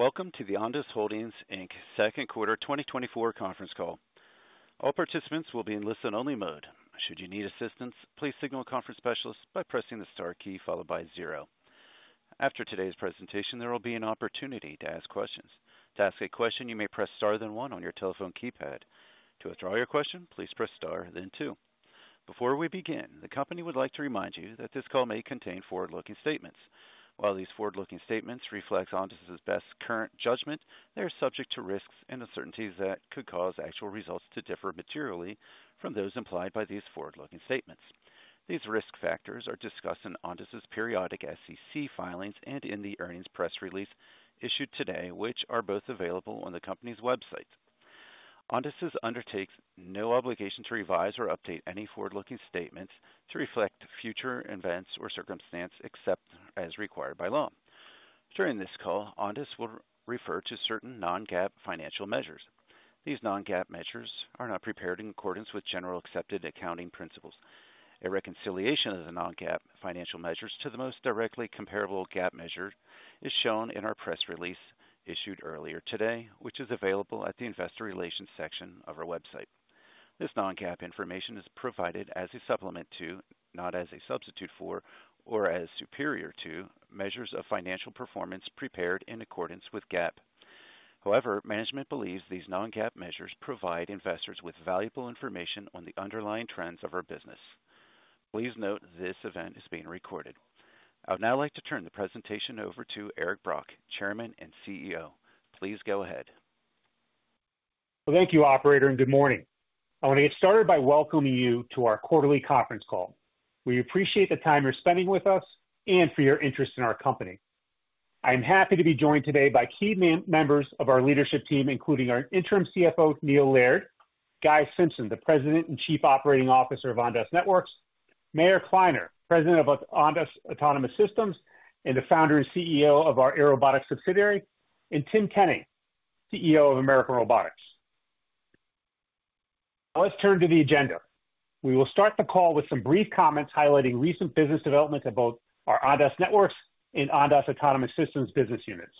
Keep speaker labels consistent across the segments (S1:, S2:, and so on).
S1: Welcome to the Ondas Holdings, Inc second quarter 2024 conference call. All participants will be in listen-only mode. Should you need assistance, please signal a conference specialist by pressing the star key followed by zero. After today's presentation, there will be an opportunity to ask questions. To ask a question, you may press star, then one on your telephone keypad. To withdraw your question, please press star, then two. Before we begin, the company would like to remind you that this call may contain forward-looking statements. While these forward-looking statements reflect Ondas's best current judgment, they are subject to risks and uncertainties that could cause actual results to differ materially from those implied by these forward-looking statements. These risk factors are discussed in Ondas's periodic SEC filings and in the earnings press release issued today, which are both available on the company's website. Ondas undertakes no obligation to revise or update any forward-looking statements to reflect future events or circumstances, except as required by law. During this call, Ondas will refer to certain non-GAAP financial measures. These non-GAAP measures are not prepared in accordance with generally accepted accounting principles. A reconciliation of the non-GAAP financial measures to the most directly comparable GAAP measure is shown in our press release issued earlier today, which is available at the investor relations section of our website. This non-GAAP information is provided as a supplement to, not as a substitute for or as superior to, measures of financial performance prepared in accordance with GAAP. However, management believes these non-GAAP measures provide investors with valuable information on the underlying trends of our business. Please note this event is being recorded. I would now like to turn the presentation over to Eric Brock, Chairman and CEO. Please go ahead.
S2: Well, thank you, operator, and good morning. I want to get started by welcoming you to our quarterly conference call. We appreciate the time you're spending with us and for your interest in our company. I'm happy to be joined today by key members of our leadership team, including our Interim CFO, Neil Laird; Guy Simpson, the President and Chief Operating Officer of Ondas Networks; Meir Kliner, President of Ondas Autonomous Systems and the founder and CEO of our Airobotics subsidiary; and Tim Tenne, CEO of American Robotics. Let's turn to the agenda. We will start the call with some brief comments highlighting recent business developments at both our Ondas Networks and Ondas Autonomous Systems business units.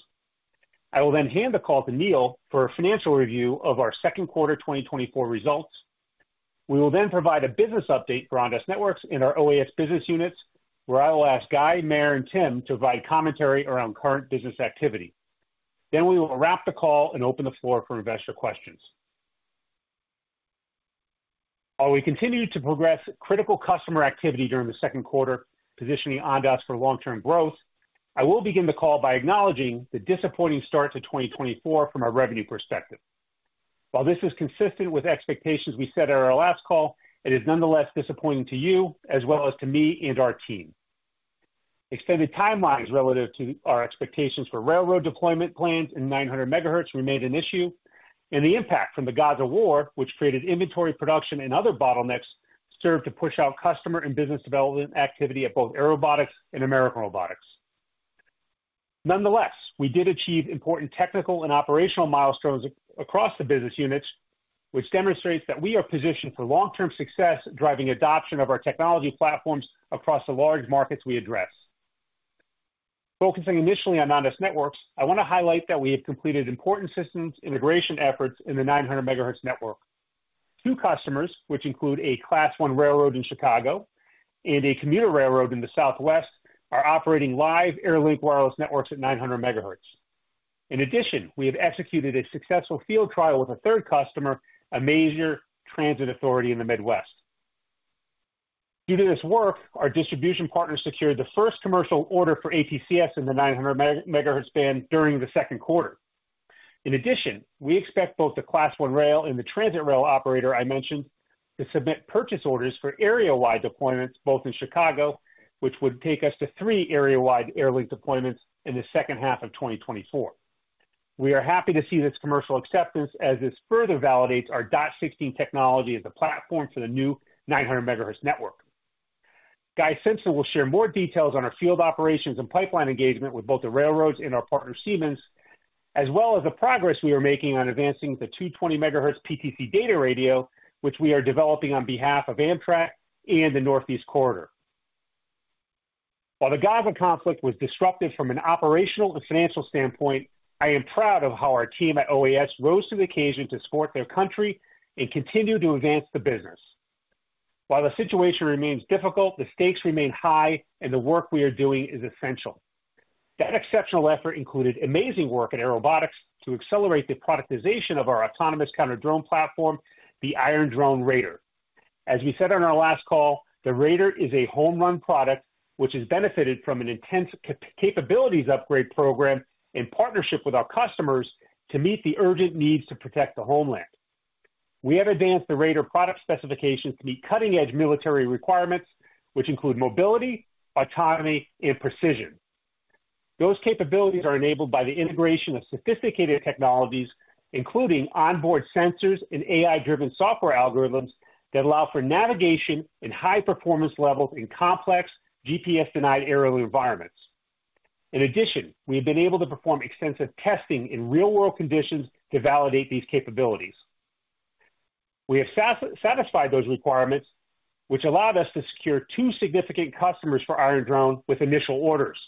S2: I will then hand the call to Neil for a financial review of our second quarter 2024 results. We will then provide a business update for Ondas Networks in our OAS business units, where I will ask Guy, Meir, and Tim to provide commentary around current business activity. Then we will wrap the call and open the floor for investor questions. While we continue to progress critical customer activity during the second quarter, positioning Ondas for long-term growth, I will begin the call by acknowledging the disappointing start to 2024 from a revenue perspective. While this is consistent with expectations we set at our last call, it is nonetheless disappointing to you as well as to me and our team. Extended timelines relative to our expectations for railroad deployment plans and 900 megahertz remained an issue, and the impact from the Gaza War, which created inventory, production, and other bottlenecks, served to push out customer and business development activity at both Airobotics and American Robotics. Nonetheless, we did achieve important technical and operational milestones across the business units, which demonstrates that we are positioned for long-term success, driving adoption of our technology platforms across the large markets we address. Focusing initially on Ondas Networks, I want to highlight that we have completed important systems integration efforts in the 900 megahertz network. Two customers, which include a Class One railroad in Chicago and a commuter railroad in the Southwest, are operating live Airlink wireless networks at 900 megahertz. In addition, we have executed a successful field trial with a third customer, a major transit authority in the Midwest. Due to this work, our distribution partner secured the first commercial order for ATCS in the 900 MHz band during the second quarter. In addition, we expect both the Class One rail and the transit rail operator I mentioned to submit purchase orders for area-wide deployments, both in Chicago, which would take us to 3 area-wide Airlink deployments in the second half of 2024. We are happy to see this commercial acceptance as this further validates our dot16 technology as a platform for the new 900 megahertz network. Guy Simpson will share more details on our field operations and pipeline engagement with both the railroads and our partner, Siemens, as well as the progress we are making on advancing the 220 megahertz PTC data radio, which we are developing on behalf of Amtrak and the Northeast Corridor. While the Gaza conflict was disruptive from an operational and financial standpoint, I am proud of how our team at OAS rose to the occasion to support their country and continue to advance the business. While the situation remains difficult, the stakes remain high, and the work we are doing is essential. That exceptional effort included amazing work at Airobotics to accelerate the productization of our autonomous counter-drone platform, the Iron Drone Raider. As we said on our last call, the Raider is a home-run product, which has benefited from an intense capabilities upgrade program in partnership with our customers to meet the urgent needs to protect the homeland. We have advanced the Raider product specifications to meet cutting-edge military requirements, which include mobility, autonomy, and precision. Those capabilities are enabled by the integration of sophisticated technologies, including onboard sensors and AI-driven software algorithms that allow for navigation and high-performance levels in complex GPS-denied aerial environments. In addition, we have been able to perform extensive testing in real-world conditions to validate these capabilities. We have satisfied those requirements, which allowed us to secure two significant customers for Iron Drone with initial orders.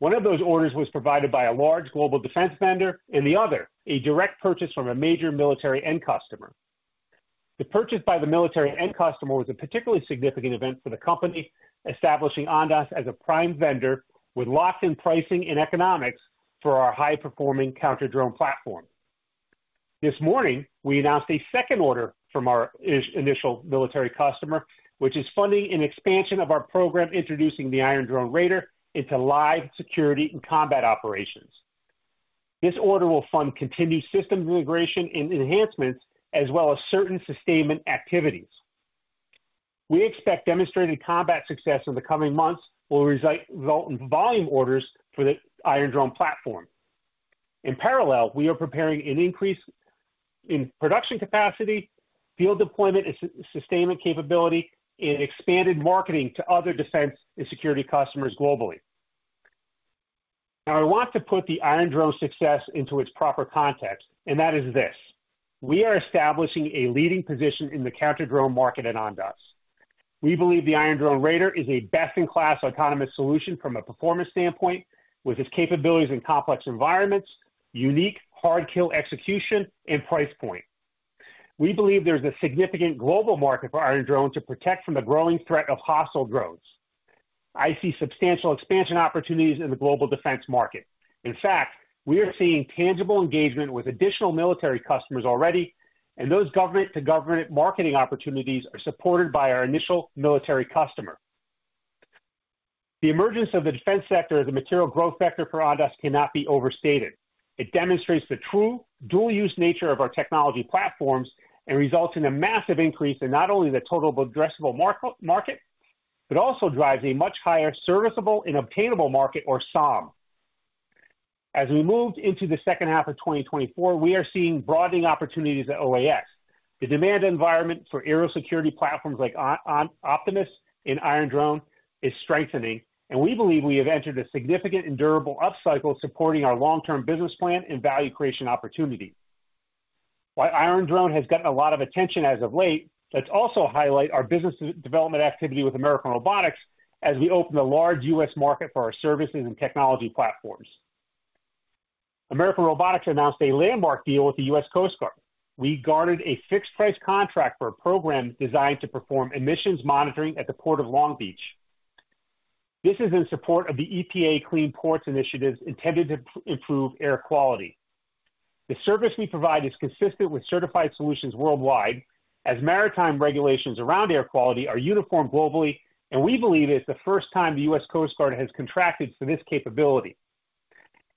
S2: One of those orders was provided by a large global defense vendor, and the other, a direct purchase from a major military end customer. The purchase by the military end customer was a particularly significant event for the company, establishing Ondas as a prime vendor with locked-in pricing and economics for our high-performing counter-drone platform. This morning, we announced a second order from our initial military customer, which is funding an expansion of our program, introducing the Iron Drone Raider into live security and combat operations. This order will fund continued system integration and enhancements, as well as certain sustainment activities. We expect demonstrated combat success in the coming months will result in volume orders for the Iron Drone platform. In parallel, we are preparing an increase in production capacity, field deployment and sustainment capability, and expanded marketing to other defense and security customers globally. Now, I want to put the Iron Drone success into its proper context, and that is this: We are establishing a leading position in the counter-drone market at Ondas. We believe the Iron Drone Raider is a best-in-class autonomous solution from a performance standpoint, with its capabilities in complex environments, unique hard kill execution, and price point. We believe there's a significant global market for Iron Drone to protect from the growing threat of hostile drones. I see substantial expansion opportunities in the global defense market. In fact, we are seeing tangible engagement with additional military customers already, and those government-to-government marketing opportunities are supported by our initial military customer. The emergence of the defense sector as a material growth sector for Ondas cannot be overstated. It demonstrates the true dual-use nature of our technology platforms and results in a massive increase in not only the total addressable market, but also drives a much higher serviceable and obtainable market, or SOM. As we move into the second half of 2024, we are seeing broadening opportunities at OAS. The demand environment for aerial security platforms like Optimus and Iron Drone is strengthening, and we believe we have entered a significant and durable upcycle supporting our long-term business plan and value creation opportunity. While Iron Drone has gotten a lot of attention as of late, let's also highlight our business development activity with American Robotics as we open a large U.S. market for our services and technology platforms. American Robotics announced a landmark deal with the U.S. Coast Guard. We guarded a fixed-price contract for a program designed to perform emissions monitoring at the Port of Long Beach. This is in support of the EPA Clean Ports initiatives intended to improve air quality. The service we provide is consistent with certified solutions worldwide, as maritime regulations around air quality are uniform globally, and we believe it's the first time the U.S. Coast Guard has contracted for this capability.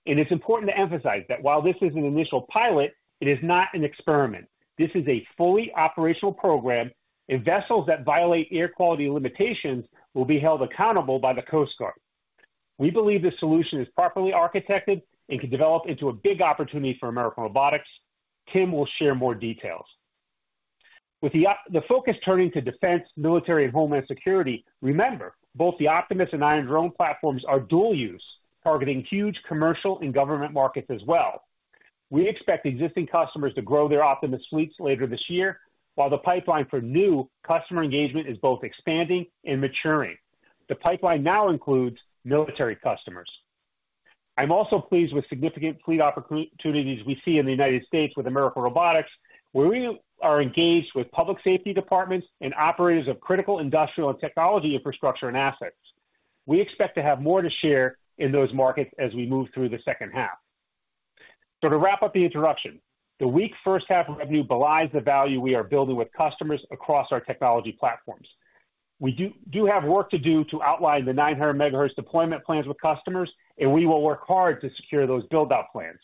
S2: It's important to emphasize that while this is an initial pilot, it is not an experiment. This is a fully operational program, and vessels that violate air quality limitations will be held accountable by the Coast Guard. We believe this solution is properly architected and can develop into a big opportunity for American Robotics. Tim will share more details. With the focus turning to defense, military, and homeland security, remember, both the Optimus and Iron Drone platforms are dual use, targeting huge commercial and government markets as well. We expect existing customers to grow their Optimus fleets later this year, while the pipeline for new customer engagement is both expanding and maturing. The pipeline now includes military customers. I'm also pleased with significant fleet opportunities we see in the United States with American Robotics, where we are engaged with public safety departments and operators of critical industrial and technology infrastructure and assets. We expect to have more to share in those markets as we move through the second half. So to wrap up the introduction, the weak first half of revenue belies the value we are building with customers across our technology platforms. We do have work to do to outline the 900 megahertz deployment plans with customers, and we will work hard to secure those build-out plans.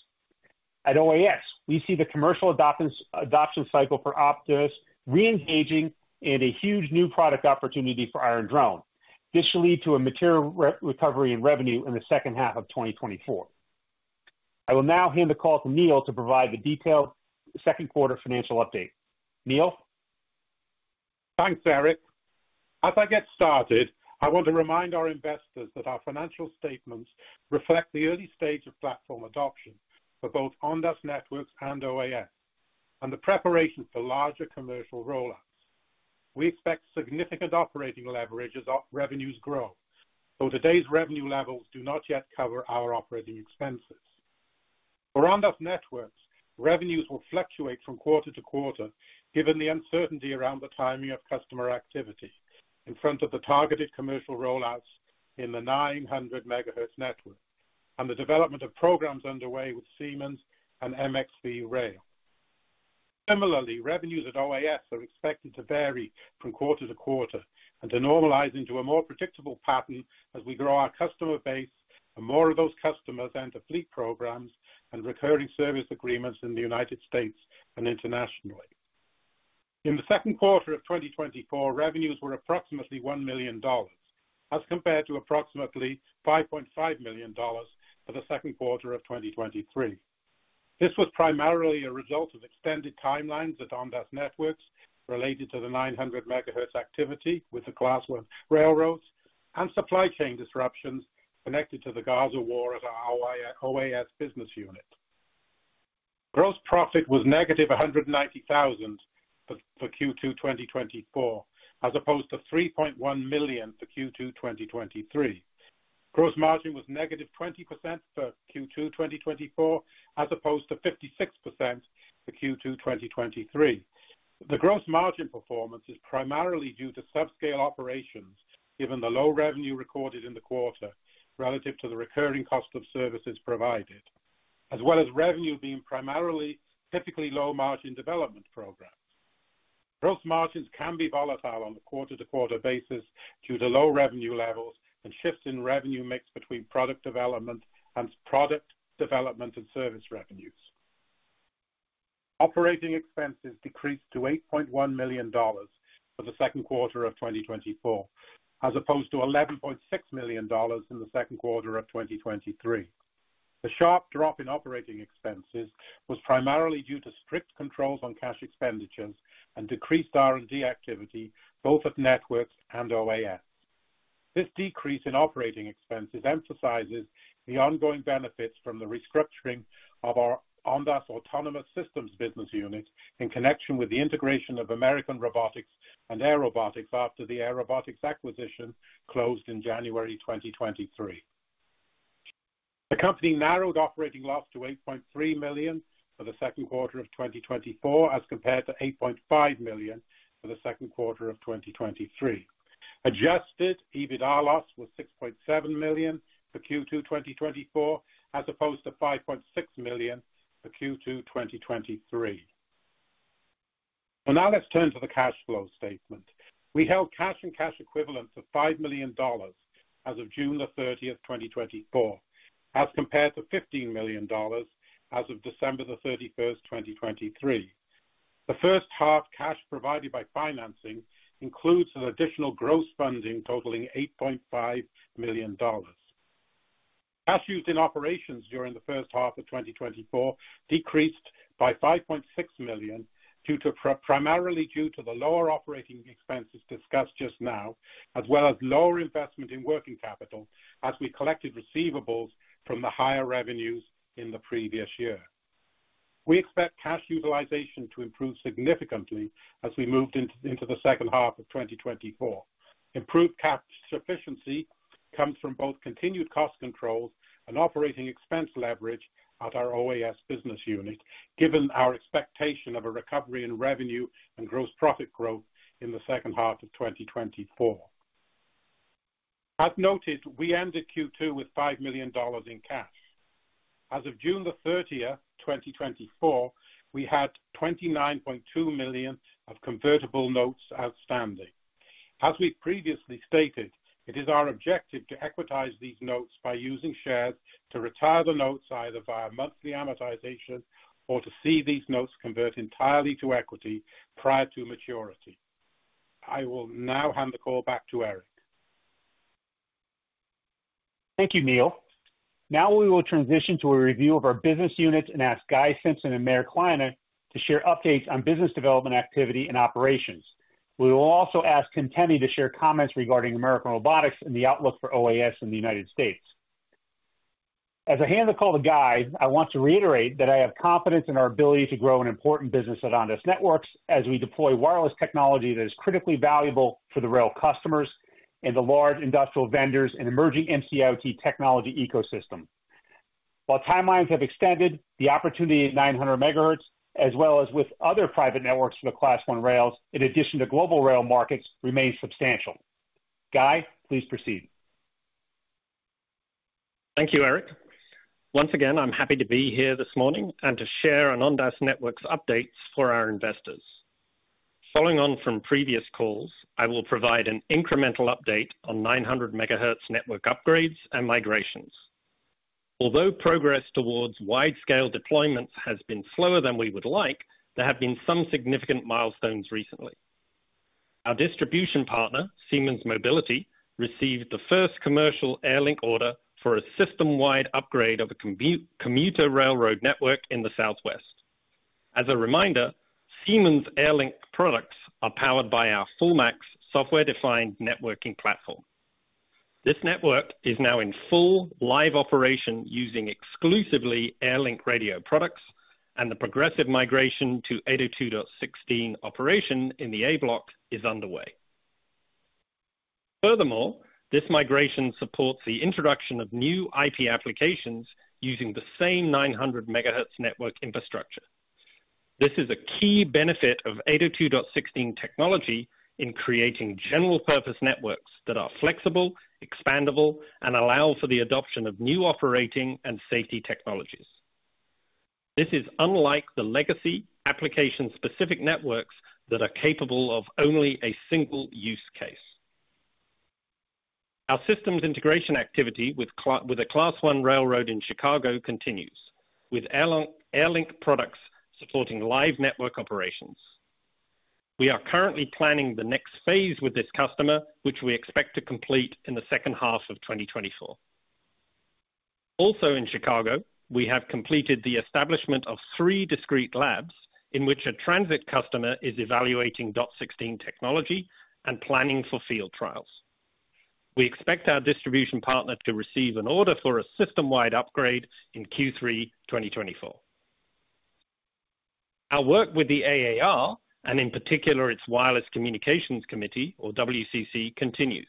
S2: At OAS, we see the commercial adoption cycle for Optimus reengaging in a huge new product opportunity for Iron Drone. This should lead to a material recovery in revenue in the second half of 2024. I will now hand the call to Neil to provide the detailed second quarter financial update. Neil?
S3: Thanks, Eric. As I get started, I want to remind our investors that our financial statements reflect the early stage of platform adoption for both Ondas Networks and OAS, and the preparation for larger commercial rollouts. We expect significant operating leverage as our revenues grow, so today's revenue levels do not yet cover our operating expenses. For Ondas Networks, revenues will fluctuate from quarter to quarter, given the uncertainty around the timing of customer activity in front of the targeted commercial rollouts in the 900 megahertz network and the development of programs underway with Siemens and MXV Rail. Similarly, revenues at OAS are expected to vary from quarter to quarter and to normalize into a more predictable pattern as we grow our customer base and more of those customers enter fleet programs and recurring service agreements in the United States and internationally. In the second quarter of 2024, revenues were approximately $1 million, as compared to approximately $5.5 million for the second quarter of 2023. This was primarily a result of extended timelines at Ondas Networks related to the nine hundred megahertz activity with the class one railroads and supply chain disruptions connected to the Gaza War at our OAS business unit. Gross profit was negative $190,000 for Q2 2024, as opposed to $3.1 million for Q2 2023. Gross margin was negative 20% for Q2 2024, as opposed to 56% for Q2 2023. The gross margin performance is primarily due to subscale operations, given the low revenue recorded in the quarter relative to the recurring cost of services provided, as well as revenue being primarily typically low margin development programs. Gross margins can be volatile on a quarter-to-quarter basis due to low revenue levels and shifts in revenue mix between product development and product development and service revenues. Operating expenses decreased to $8.1 million for the second quarter of 2024, as opposed to $11.6 million in the second quarter of 2023. The sharp drop in operating expenses was primarily due to strict controls on cash expenditures and decreased R&D activity, both at Networks and OAS. This decrease in operating expenses emphasizes the ongoing benefits from the restructuring of our Ondas Autonomous Systems business unit in connection with the integration of American Robotics and Airobotics after the Airobotics acquisition closed in January 2023. The company narrowed operating loss to $8.3 million for the second quarter of 2024, as compared to $8.5 million for the second quarter of 2023. Adjusted EBITDA loss was $6.7 million for Q2 2024, as opposed to $5.6 million for Q2 2023. Well, now let's turn to the cash flow statement. We held cash and cash equivalents of $5 million as of June 30, 2024, as compared to $15 million as of December 31, 2023. The first half cash provided by financing includes an additional gross funding totaling $8.5 million. Cash used in operations during the first half of 2024 decreased by $5.6 million, due to primarily due to the lower operating expenses discussed just now, as well as lower investment in working capital as we collected receivables from the higher revenues in the previous year. We expect cash utilization to improve significantly as we move into, into the second half of 2024. Improved cash sufficiency comes from both continued cost controls and operating expense leverage at our OAS business unit, given our expectation of a recovery in revenue and gross profit growth in the second half of 2024. As noted, we ended Q2 with $5 million in cash. As of June 30, 2024, we had $29.2 million of convertible notes outstanding. As we previously stated, it is our objective to equitize these notes by using shares to retire the notes, either via monthly amortization or to see these notes convert entirely to equity prior to maturity. I will now hand the call back to Eric.
S2: Thank you, Neil. Now we will transition to a review of our business units and ask Guy Simpson and Meir Kliner to share updates on business development, activity, and operations. We will also ask Tim Tenne to share comments regarding American Robotics and the outlook for OAS in the United States. As I hand the call to Guy, I want to reiterate that I have confidence in our ability to grow an important business at Ondas Networks as we deploy wireless technology that is critically valuable for the rail customers and the large industrial vendors in emerging MC IoT technology ecosystem. While timelines have extended, the opportunity at 900 megahertz, as well as with other private networks for the Class One rails, in addition to global rail markets, remains substantial. Guy, please proceed.
S4: Thank you, Eric. Once again, I'm happy to be here this morning and to share on Ondas Networks updates for our investors. Following on from previous calls, I will provide an incremental update on 900 MHz network upgrades and migrations. Although progress towards wide-scale deployments has been slower than we would like, there have been some significant milestones recently. Our distribution partner, Siemens Mobility, received the first commercial Airlink order for a system-wide upgrade of a commuter railroad network in the Southwest. As a reminder, Siemens Airlink products are powered by our FullMAX software-defined networking platform. This network is now in full live operation, using exclusively Airlink radio products, and the progressive migration to 802.16 operation in the A block is underway. Furthermore, this migration supports the introduction of new IP applications using the same 900 MHz network infrastructure. This is a key benefit of 802.16 technology in creating general-purpose networks that are flexible, expandable, and allow for the adoption of new operating and safety technologies. This is unlike the legacy application-specific networks that are capable of only a single use case. Our systems integration activity with the Class One railroad in Chicago continues, with Airlink, Airlink products supporting live network operations. We are currently planning the next phase with this customer, which we expect to complete in the second half of 2024. Also in Chicago, we have completed the establishment of 3 discrete labs in which a transit customer is evaluating .16 technology and planning for field trials. We expect our distribution partner to receive an order for a system-wide upgrade in Q3 2024. Our work with the AAR, and in particular, its Wireless Communications Committee or WCC, continues.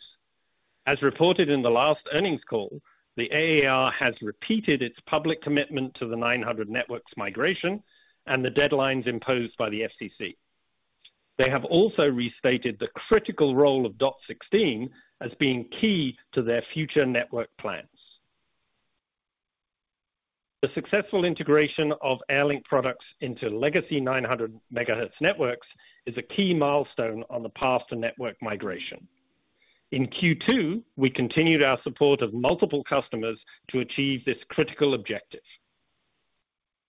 S4: As reported in the last earnings call, the AAR has repeated its public commitment to the 900 networks migration and the deadlines imposed by the FCC. They have also restated the critical role of dot sixteen as being key to their future network plans. The successful integration of Airlink products into legacy 900 MHz networks is a key milestone on the path to network migration. In Q2, we continued our support of multiple customers to achieve this critical objective.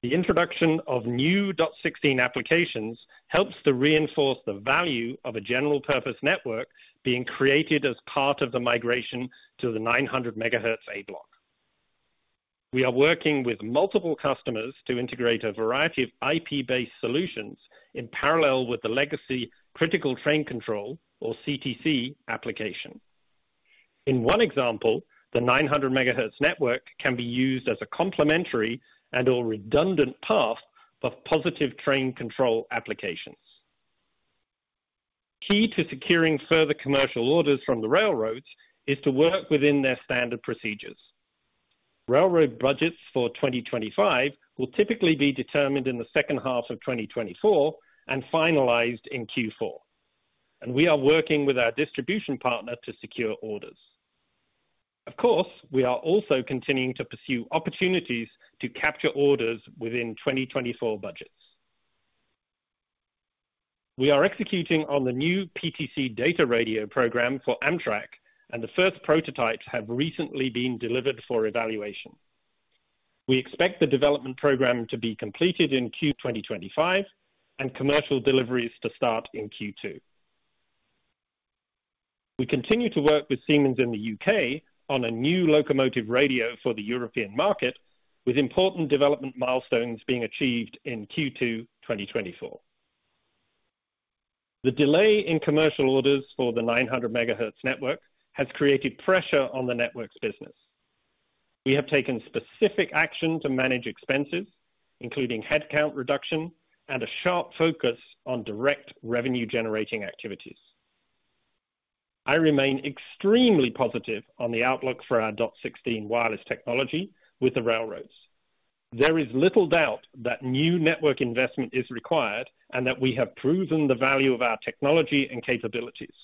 S4: The introduction of new dot sixteen applications helps to reinforce the value of a general-purpose network being created as part of the migration to the 900 MHz A Block. We are working with multiple customers to integrate a variety of IP-based solutions in parallel with the legacy Critical Train Control, or CTC application. In one example, the 900 megahertz network can be used as a complementary and/or redundant path for positive train control applications. Key to securing further commercial orders from the railroads is to work within their standard procedures. Railroad budgets for 2025 will typically be determined in the second half of 2024 and finalized in Q4, and we are working with our distribution partner to secure orders. Of course, we are also continuing to pursue opportunities to capture orders within 2024 budgets. We are executing on the new PTC data radio program for Amtrak, and the first prototypes have recently been delivered for evaluation. We expect the development program to be completed in Q2 2025 and commercial deliveries to start in Q2. We continue to work with Siemens in the U.K. on a new locomotive radio for the European market, with important development milestones being achieved in Q2 2024. The delay in commercial orders for the 900 megahertz network has created pressure on the network's business. We have taken specific action to manage expenses, including headcount reduction and a sharp focus on direct revenue-generating activities. I remain extremely positive on the outlook for our dot sixteen wireless technology with the railroads. There is little doubt that new network investment is required and that we have proven the value of our technology and capabilities.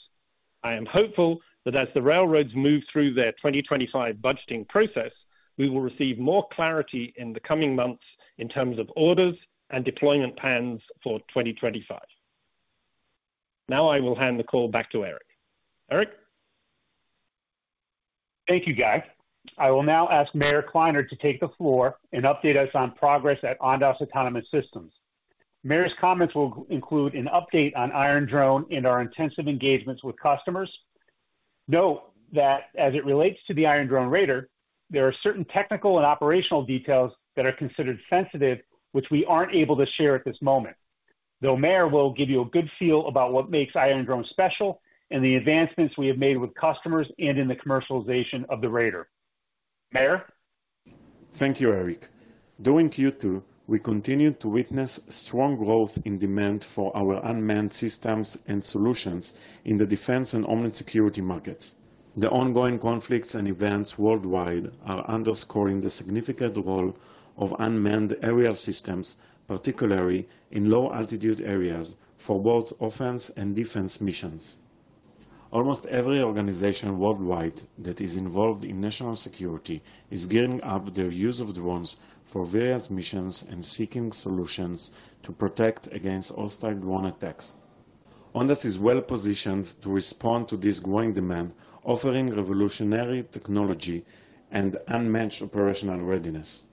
S4: I am hopeful that as the railroads move through their 2025 budgeting process, we will receive more clarity in the coming months in terms of orders and deployment plans for 2025. Now I will hand the call back to Eric. Eric?
S2: Thank you, Guy. I will now ask Meir Kliner to take the floor and update us on progress at Ondas Autonomous Systems. Meir's comments will include an update on Iron Drone and our intensive engagements with customers. Note that as it relates to the Iron Drone Raider, there are certain technical and operational details that are considered sensitive, which we aren't able to share at this moment, though Meir will give you a good feel about what makes Iron Drone special and the advancements we have made with customers and in the commercialization of the Raider. Meir?
S5: Thank you, Eric. During Q2, we continued to witness strong growth in demand for our unmanned systems and solutions in the defense and homeland security markets. The ongoing conflicts and events worldwide are underscoring the significant role of unmanned aerial systems, particularly in low-altitude areas, for both offense and defense missions. Almost every organization worldwide that is involved in national security is gearing up their use of drones for various missions and seeking solutions to protect against hostile drone attacks. Ondas is well positioned to respond to this growing demand, offering revolutionary technology and unmatched operational readiness.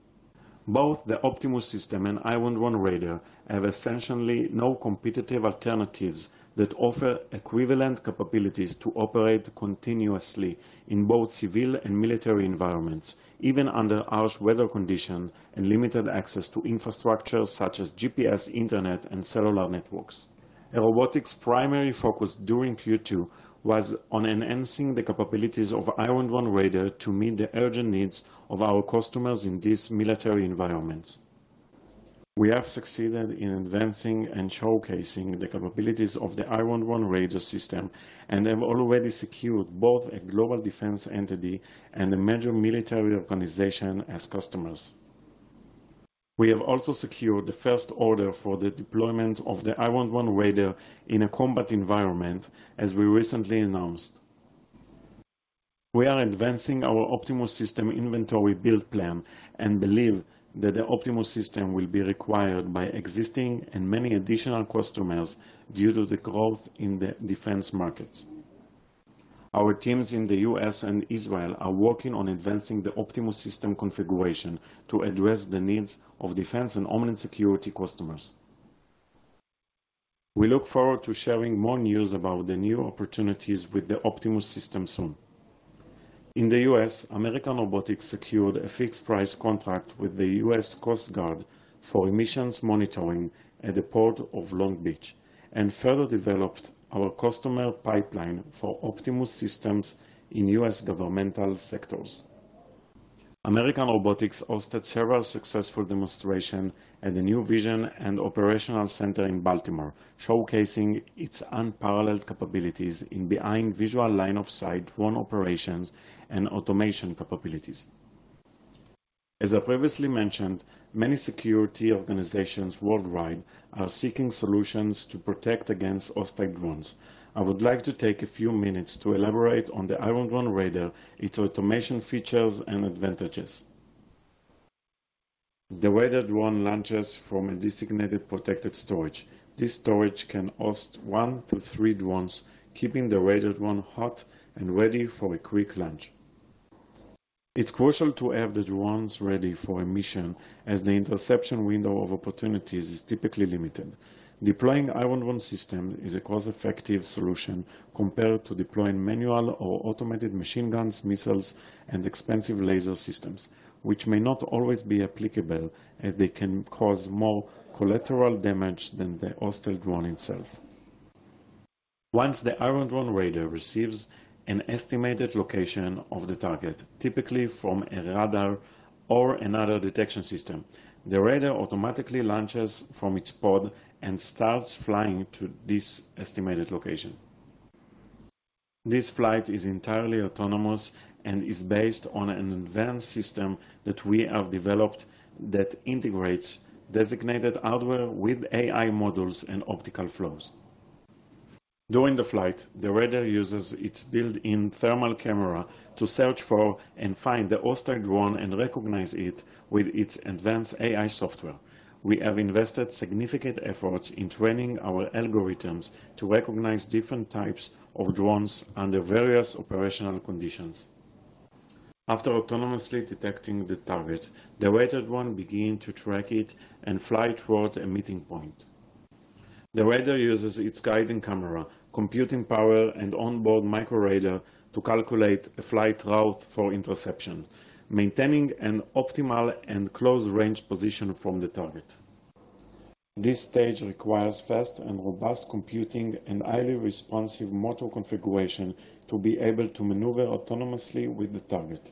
S5: Both the Optimus System and Iron Drone Raidar have essentially no competitive alternatives that offer equivalent capabilities to operate continuously in both civil and military environments, even under harsh weather conditions and limited access to infrastructure such as GPS, internet, and cellular networks. Airobotics' primary focus during Q2 was on enhancing the capabilities of Iron Drone Raider to meet the urgent needs of our customers in these military environments. We have succeeded in advancing and showcasing the capabilities of the Iron Drone Raider system and have already secured both a global defense entity and a major military organization as customers. We have also secured the first order for the deployment of the Iron Drone Raider in a combat environment, as we recently announced. We are advancing our Optimus System inventory build plan and believe that the Optimus System will be required by existing and many additional customers due to the growth in the defense markets. Our teams in the U.S. and Israel are working on advancing the Optimus System configuration to address the needs of defense and homeland security customers... We look forward to sharing more news about the new opportunities with the Optimus System soon. In the U.S., American Robotics secured a fixed price contract with the U.S. Coast Guard for emissions monitoring at the Port of Long Beach, and further developed our customer pipeline for Optimus Systems in U.S. governmental sectors. American Robotics hosted several successful demonstration at the new vision and operational center in Baltimore, showcasing its unparalleled capabilities in behind visual line of sight drone operations and automation capabilities. As I previously mentioned, many security organizations worldwide are seeking solutions to protect against hostile drones. I would like to take a few minutes to elaborate on the Iron Drone Raider, its automation features, and advantages. The raidar drone launches from a designated protected storage. This storage can host 1-3 drones, keeping the Raider drone hot and ready for a quick launch. It's crucial to have the drones ready for a mission, as the interception window of opportunities is typically limited. Deploying Iron Drone system is a cost-effective solution compared to deploying manual or automated machine guns, missiles, and expensive laser systems, which may not always be applicable as they can cause more collateral damage than the hostile drone itself. Once the Iron Drone Raider receives an estimated location of the target, typically from a radar or another detection system, the Raider automatically launches from its pod and starts flying to this estimated location. This flight is entirely autonomous and is based on an advanced system that we have developed that integrates designated hardware with AI modules and optical flows. During the flight, the Raider uses its built-in thermal camera to search for and find the hostile drone and recognize it with its advanced AI software. We have invested significant efforts in training our algorithms to recognize different types of drones under various operational conditions. After autonomously detecting the target, the Raider drone begins to track it and fly towards a meeting point. The Raider uses its guiding camera, computing power, and onboard micro radar to calculate a flight route for interception, maintaining an optimal and close range position from the target. This stage requires fast and robust computing and highly responsive motor configuration to be able to maneuver autonomously with the target.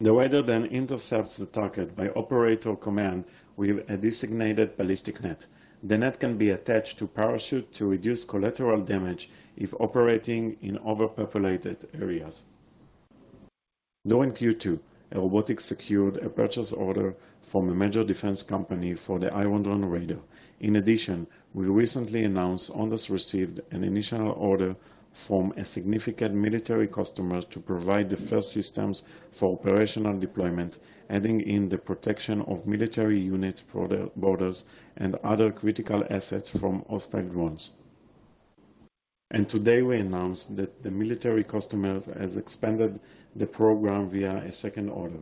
S5: The Raider then intercepts the target by operator command with a designated ballistic net. The net can be attached to a parachute to reduce collateral damage if operating in overpopulated areas. During Q2, Airobotics secured a purchase order from a major defense company for the Iron Drone Raider. In addition, we recently announced and thus received an initial order from a significant military customer to provide the first systems for operational deployment, adding in the protection of military unit border, borders, and other critical assets from hostile drones. Today, we announced that the military customer has expanded the program via a second order.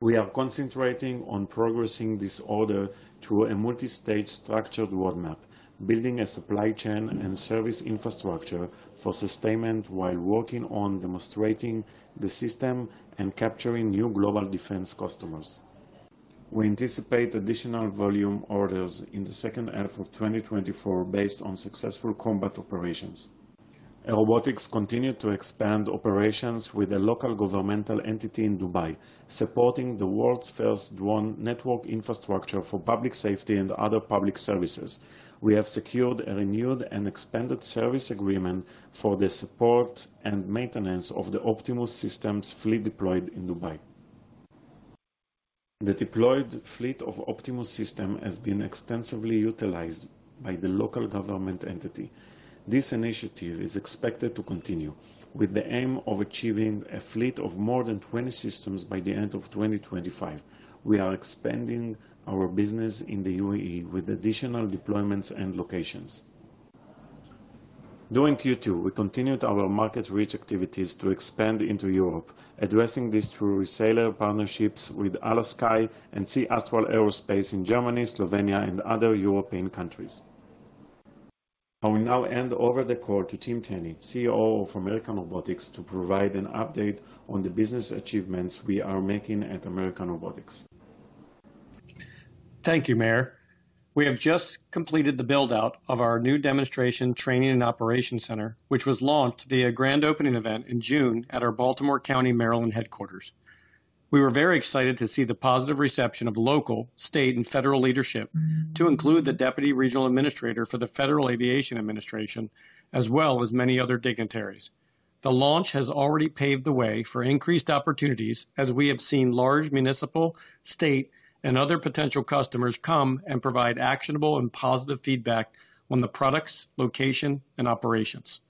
S5: We are concentrating on progressing this order through a multi-stage structured roadmap, building a supply chain and service infrastructure for sustainment while working on demonstrating the system and capturing new global defense customers. We anticipate additional volume orders in the second half of 2024 based on successful combat operations. Airobotics continued to expand operations with a local governmental entity in Dubai, supporting the world's first drone network infrastructure for public safety and other public services. We have secured a renewed and expanded service agreement for the support and maintenance of the Optimus systems fleet deployed in Dubai. The deployed fleet of Optimus system has been extensively utilized by the local government entity. This initiative is expected to continue, with the aim of achieving a fleet of more than 20 systems by the end of 2025. We are expanding our business in the UAE with additional deployments and locations. During Q2, we continued our market reach activities to expand into Europe, addressing this through reseller partnerships with HHLA Sky and C-Astral Aerospace in Germany, Slovenia, and other European countries. I will now hand over the call to Tim Tenne, CEO of American Robotics, to provide an update on the business achievements we are making at American Robotics.
S6: Thank you, Meir. We have just completed the build-out of our new demonstration, training, and operation center, which was launched via a grand opening event in June at our Baltimore County, Maryland, headquarters. We were very excited to see the positive reception of local, state, and federal leadership, to include the Deputy Regional Administrator for the Federal Aviation Administration, as well as many other dignitaries. The launch has already paved the way for increased opportunities, as we have seen large municipal, state, and other potential customers come and provide actionable and positive feedback on the products, location, and operations.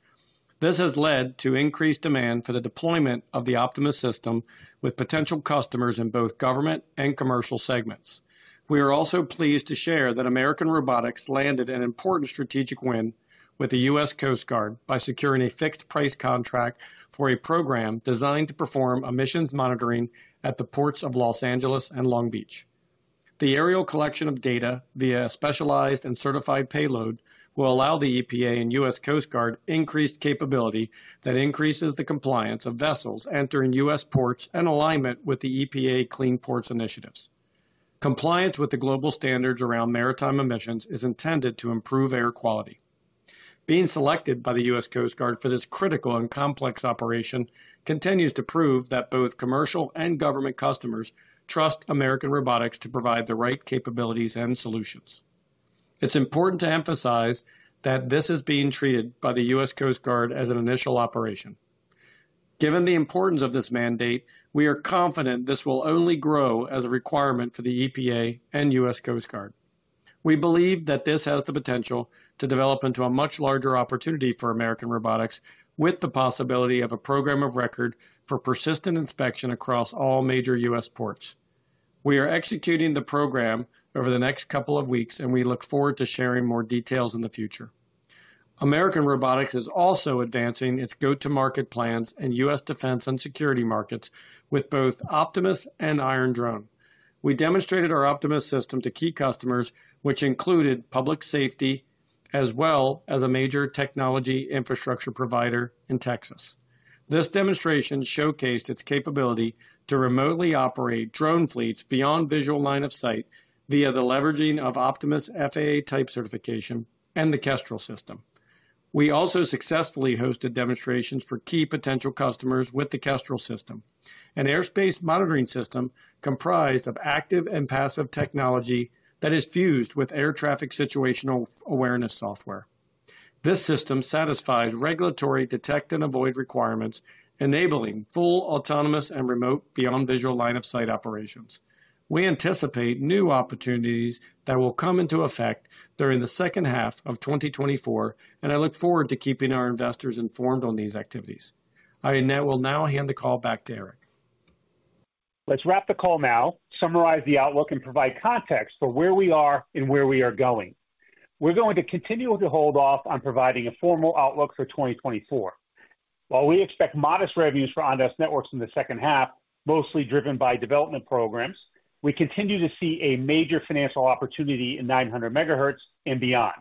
S6: This has led to increased demand for the deployment of the Optimus System with potential customers in both government and commercial segments. We are also pleased to share that American Robotics landed an important strategic win with the U.S. Coast Guard by securing a fixed price contract for a program designed to perform emissions monitoring at the ports of Los Angeles and Long Beach. The aerial collection of data via specialized and certified payload will allow the EPA and U.S. Coast Guard increased capability that increases the compliance of vessels entering U.S. ports in alignment with the EPA Clean Ports initiatives. Compliance with the global standards around maritime emissions is intended to improve air quality. Being selected by the U.S. Coast Guard for this critical and complex operation continues to prove that both commercial and government customers trust American Robotics to provide the right capabilities and solutions. It's important to emphasize that this is being treated by the U.S. Coast Guard as an initial operation. Given the importance of this mandate, we are confident this will only grow as a requirement for the EPA and U.S. Coast Guard. We believe that this has the potential to develop into a much larger opportunity for American Robotics, with the possibility of a program of record for persistent inspection across all major U.S. ports. We are executing the program over the next couple of weeks, and we look forward to sharing more details in the future. American Robotics is also advancing its go-to-market plans in U.S. defense and security markets with both Optimus and Iron Drone. We demonstrated our Optimus system to key customers, which included public safety, as well as a major technology infrastructure provider in Texas. This demonstration showcased its capability to remotely operate drone fleets beyond visual line of sight, via the leveraging of Optimus FAA type certification and the Kestrel system. We also successfully hosted demonstrations for key potential customers with the Kestrel system, an airspace monitoring system comprised of active and passive technology that is fused with air traffic situational awareness software. This system satisfies regulatory detect and avoid requirements, enabling full, autonomous and remote beyond visual line of sight operations. We anticipate new opportunities that will come into effect during the second half of 2024, and I look forward to keeping our investors informed on these activities. I will now hand the call back to Eric.
S2: Let's wrap the call now, summarize the outlook, and provide context for where we are and where we are going. We're going to continue to hold off on providing a formal outlook for 2024. While we expect modest revenues for Ondas Networks in the second half, mostly driven by development programs, we continue to see a major financial opportunity in 900 megahertz and beyond.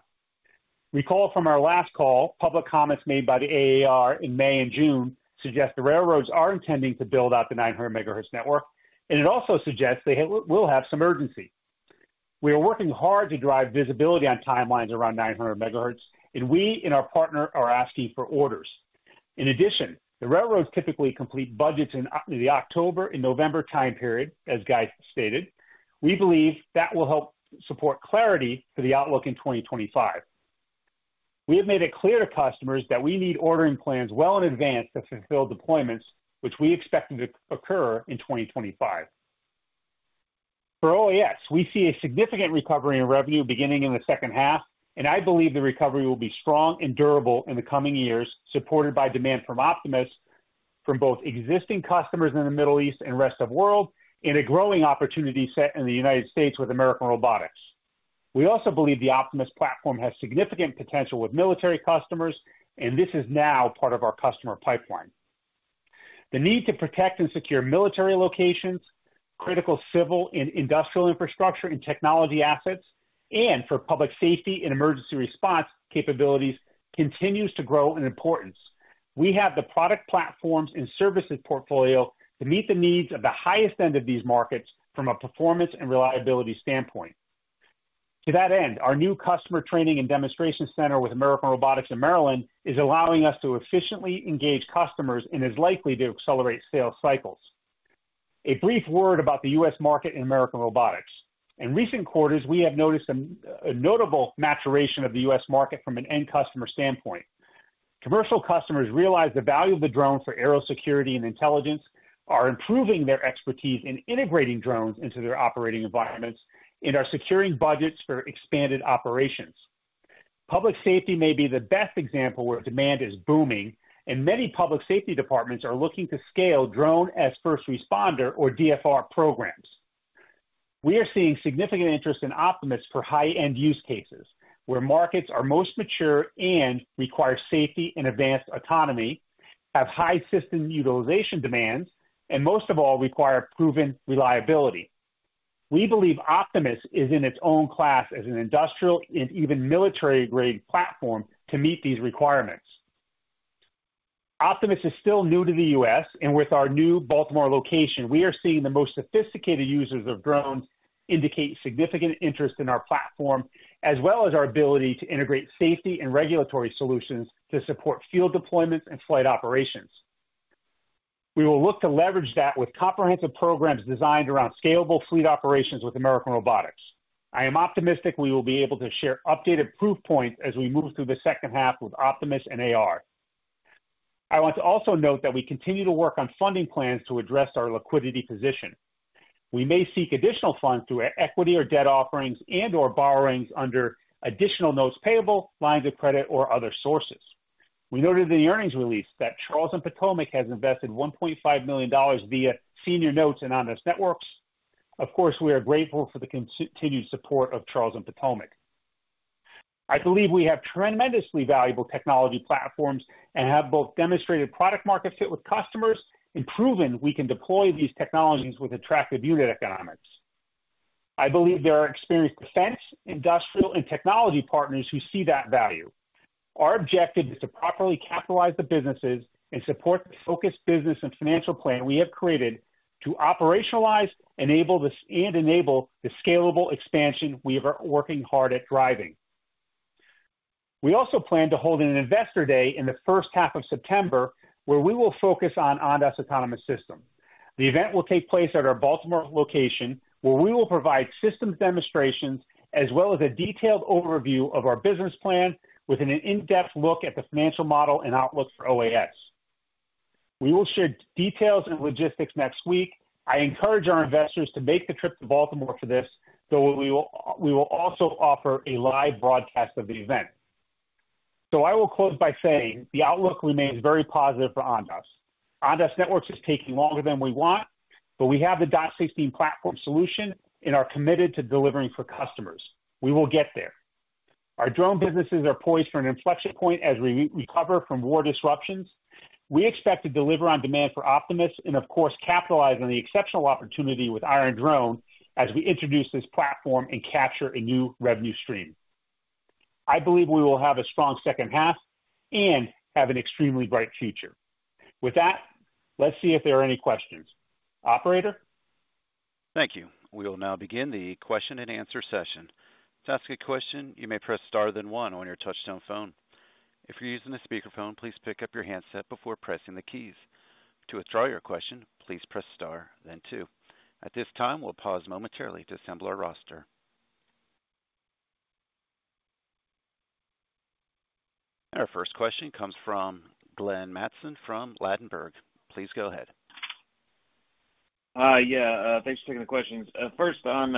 S2: Recall from our last call, public comments made by the AAR in May and June suggest the railroads are intending to build out the 900 megahertz network, and it also suggests they will have some urgency. We are working hard to drive visibility on timelines around 900 megahertz, and we and our partner are asking for orders. In addition, the railroads typically complete budgets in the October and November time period, as Guy stated. We believe that will help support clarity for the outlook in 2025. We have made it clear to customers that we need ordering plans well in advance to fulfill deployments, which we expect them to occur in 2025. For OAS, we see a significant recovery in revenue beginning in the second half, and I believe the recovery will be strong and durable in the coming years, supported by demand from Optimus, from both existing customers in the Middle East and rest of world, and a growing opportunity set in the United States with American Robotics. We also believe the Optimus platform has significant potential with military customers, and this is now part of our customer pipeline. The need to protect and secure military locations, critical civil and industrial infrastructure and technology assets, and for public safety and emergency response capabilities continues to grow in importance. We have the product platforms and services portfolio to meet the needs of the highest end of these markets from a performance and reliability standpoint. To that end, our new customer training and demonstration center with American Robotics in Maryland is allowing us to efficiently engage customers and is likely to accelerate sales cycles. A brief word about the US market and American Robotics. In recent quarters, we have noticed a notable maturation of the US market from an end customer standpoint. Commercial customers realize the value of the drone for aerial security and intelligence, are improving their expertise in integrating drones into their operating environments, and are securing budgets for expanded operations. Public safety may be the best example where demand is booming, and many public safety departments are looking to scale drone as first responder or DFR programs. We are seeing significant interest in Optimus for high-end use cases, where markets are most mature and require safety and advanced autonomy, have high system utilization demands, and most of all, require proven reliability. We believe Optimus is in its own class as an industrial and even military-grade platform to meet these requirements. Optimus is still new to the U.S., and with our new Baltimore location, we are seeing the most sophisticated users of drones indicate significant interest in our platform, as well as our ability to integrate safety and regulatory solutions to support field deployments and flight operations. We will look to leverage that with comprehensive programs designed around scalable fleet operations with American Robotics. I am optimistic we will be able to share updated proof points as we move through the second half with Optimus and AR. I want to also note that we continue to work on funding plans to address our liquidity position. We may seek additional funds through equity or debt offerings and/or borrowings under additional notes payable, lines of credit, or other sources. We noted in the earnings release that Charles and Potomac has invested $1.5 million via senior notes in Ondas Networks. Of course, we are grateful for the continued support of Charles and Potomac. I believe we have tremendously valuable technology platforms and have both demonstrated product market fit with customers and proven we can deploy these technologies with attractive unit economics. I believe there are experienced defense, industrial, and technology partners who see that value. Our objective is to properly capitalize the businesses and support the focused business and financial plan we have created to operationalize and enable the scalable expansion we are working hard at driving. We also plan to hold an investor day in the first half of September, where we will focus on Ondas autonomous system. The event will take place at our Baltimore location, where we will provide systems demonstrations as well as a detailed overview of our business plan, with an in-depth look at the financial model and outlook for OAS. We will share details and logistics next week. I encourage our investors to make the trip to Baltimore for this, though we will, we will also offer a live broadcast of the event. So I will close by saying the outlook remains very positive for Ondas. Ondas Networks is taking longer than we want, but we have the dot16 platform solution and are committed to delivering for customers. We will get there. Our drone businesses are poised for an inflection point as we, we recover from war disruptions. We expect to deliver on demand for Optimus and, of course, capitalize on the exceptional opportunity with Iron Drone as we introduce this platform and capture a new revenue stream. I believe we will have a strong second half and have an extremely bright future. With that, let's see if there are any questions. Operator?
S1: Thank you. We will now begin the question and answer session. To ask a question, you may press star then one on your touchtone phone. If you're using a speakerphone, please pick up your handset before pressing the keys. To withdraw your question, please press star then two. At this time, we'll pause momentarily to assemble our roster. Our first question comes from Glenn Mattson from Ladenburg. Please go ahead.
S7: Yeah, thanks for taking the questions. First on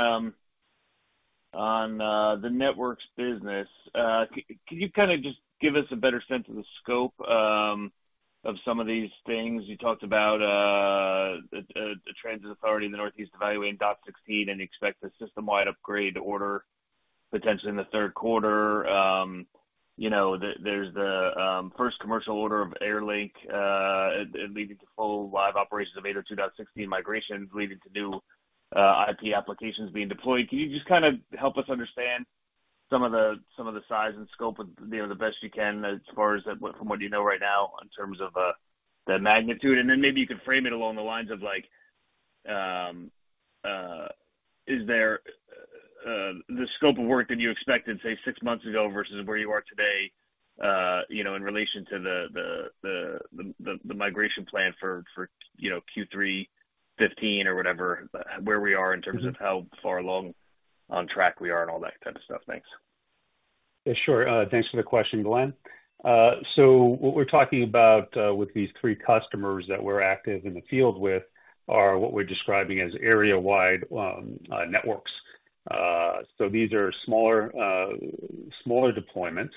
S7: the networks business, can you kind of just give us a better sense of the scope of some of these things? You talked about the transit authority in the Northeast evaluating 802.16 and expect the system-wide upgrade order potentially in the third quarter. You know, there's the first commercial order of Airlink, leading to full live operations of 802.16 migrations, leading to new IP applications being deployed. Can you just kind of help us understand some of the size and scope of the best you can as far as from what you know right now, in terms of the magnitude? Then maybe you could frame it along the lines of like, is there the scope of work that you expected, say, six months ago versus where you are today, you know, in relation to the migration plan for you know, Q3 fifteen or whatever, where we are in terms of how far along on track we are and all that kind of stuff. Thanks.
S2: Yeah, sure. Thanks for the question, Glenn. So what we're talking about with these three customers that we're active in the field with are what we're describing as area-wide networks. So these are smaller, smaller deployments,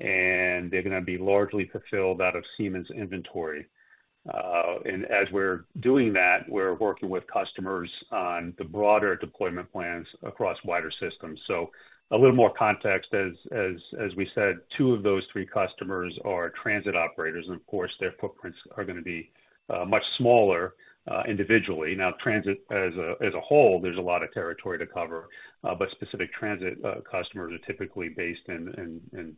S2: and they're gonna be largely fulfilled out of Siemens inventory. And as we're doing that, we're working with customers on the broader deployment plans across wider systems. So a little more context, as we said, two of those three customers are transit operators, and of course, their footprints are gonna be much smaller, individually. Now, transit as a whole, there's a lot of territory to cover, but specific transit customers are typically based in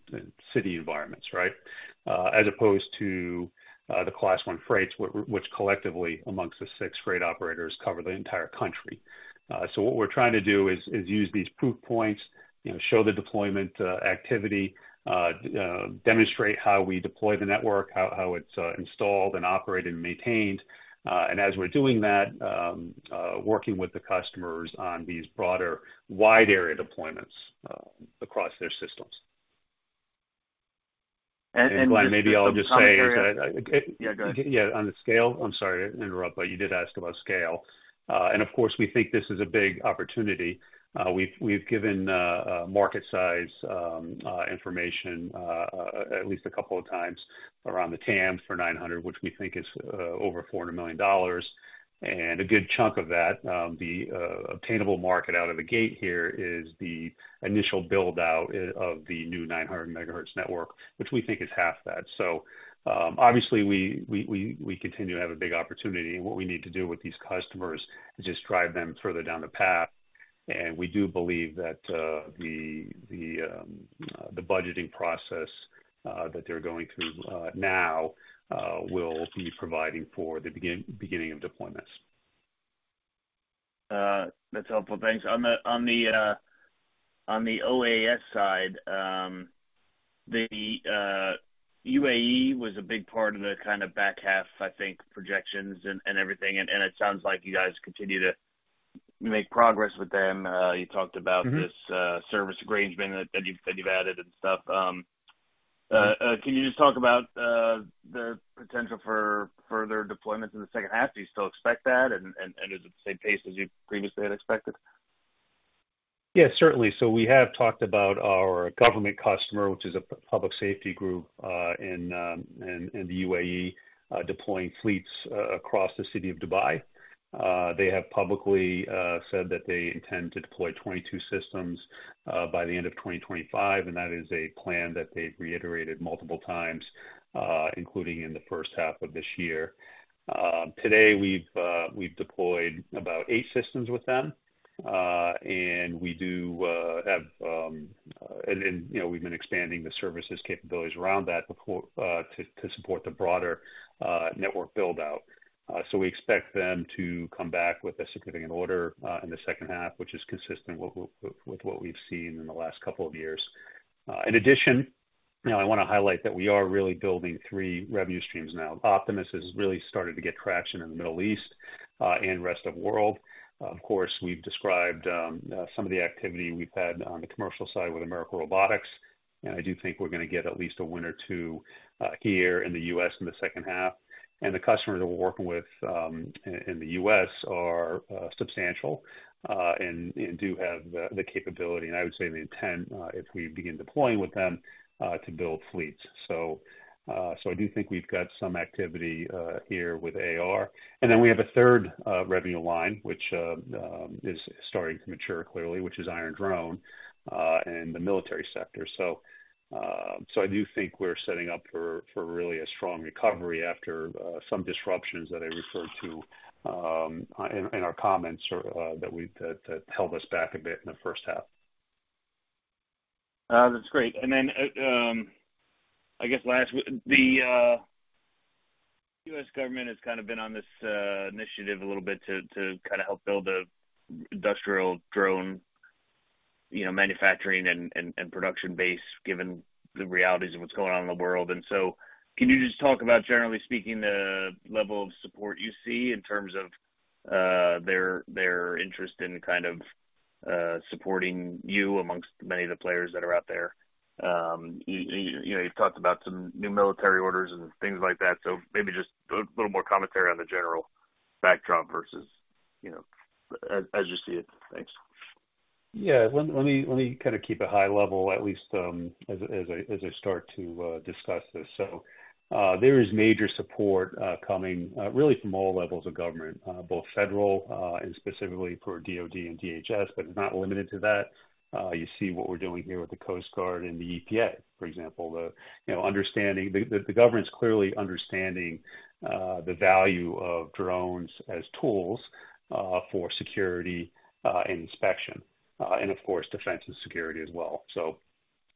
S2: city environments, right? As opposed to the Class One freights, which collectively amongst the six freight operators cover the entire country. So what we're trying to do is use these proof points, you know, show the deployment activity, demonstrate how we deploy the network, how it's installed and operated and maintained. And as we're doing that, working with the customers on these broader, wide area deployments, across their systems.
S7: And-
S2: Glenn, maybe I'll just say-
S7: Yeah, go ahead.
S2: Yeah, on the scale, I'm sorry to interrupt, but you did ask about scale. And of course, we think this is a big opportunity. We've given market size information at least a couple of times around the TAMs for 900, which we think is over $400 million. And a good chunk of that, the obtainable market out of the gate here is the initial build-out of the new 900 megahertz network, which we think is half that. So, obviously we continue to have a big opportunity, and what we need to do with these customers is just drive them further down the path. We do believe that the budgeting process that they're going through now will be providing for the beginning of deployments.
S7: That's helpful. Thanks. On the OAS side, the UAE was a big part of the kind of back half, I think, projections and everything, and it sounds like you guys continue to make progress with them. You talked about-
S2: Mm-hmm.
S7: this service arrangement that you've added and stuff. Can you just talk about the potential for further deployments in the second half? Do you still expect that, and is it the same pace as you previously had expected?
S2: Yeah, certainly. So we have talked about our government customer, which is a public safety group, in the UAE, deploying fleets across the city of Dubai. They have publicly said that they intend to deploy 22 systems by the end of 2025, and that is a plan that they've reiterated multiple times, including in the first half of this year. Today, we've deployed about eight systems with them, and we do have, you know, we've been expanding the services capabilities around that before to support the broader network build-out. So we expect them to come back with a significant order in the second half, which is consistent with what we've seen in the last couple of years. In addition, you know, I wanna highlight that we are really building three revenue streams now. Optimus has really started to get traction in the Middle East and rest of world. Of course, we've described some of the activity we've had on the commercial side with American Robotics, and I do think we're gonna get at least a win or two here in the U.S. in the second half. The customers that we're working with in the U.S. are substantial and do have the capability, and I would say the intent if we begin deploying with them to build fleets. So, I do think we've got some activity here with AR. Then we have a third revenue line, which is starting to mature clearly, which is Iron Drone in the military sector. So I do think we're setting up for really a strong recovery after some disruptions that I referred to in our comments or that held us back a bit in the first half.
S7: That's great. And then, I guess last, the U.S. government has kind of been on this initiative a little bit to kind of help build the industrial drone, you know, manufacturing and production base, given the realities of what's going on in the world. And so can you just talk about, generally speaking, the level of support you see in terms of their interest in kind of supporting you amongst many of the players that are out there? You know, you've talked about some new military orders and things like that, so maybe just a little more commentary on the general backdrop versus, you know, as you see it. Thanks.
S2: Yeah. Let me kind of keep it high level, at least, as I start to discuss this. So, there is major support coming really from all levels of government, both federal, and specifically for DoD and DHS, but it's not limited to that. You see what we're doing here with the Coast Guard and the EPA, for example, the, you know, understanding. The government's clearly understanding the value of drones as tools for security and inspection, and of course, defense and security as well. So,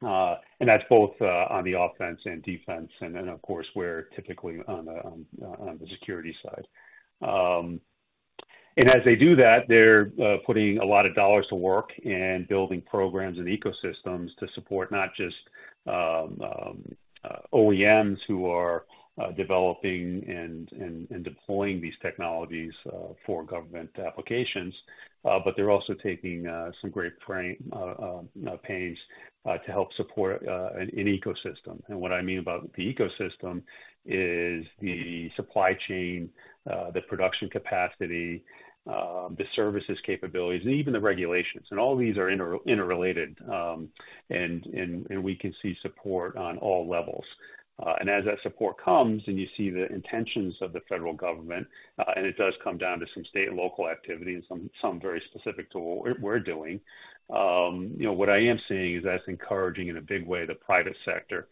S2: and that's both on the offense and defense, and then, of course, we're typically on the security side. And as they do that, they're putting a lot of dollars to work and building programs and ecosystems to support not just OEMs who are developing and deploying these technologies for government applications, but they're also taking some great pains to help support an ecosystem. And what I mean about the ecosystem is the supply chain, the production capacity, the services capabilities, and even the regulations, and all these are interrelated. And we can see support on all levels. And as that support comes and you see the intentions of the federal government, and it does come down to some state and local activity and some very specific to what we're doing, you know, what I am seeing is that's encouraging in a big way the private sector